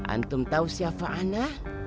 antum tahu siapa anak